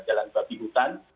jalan babi hutan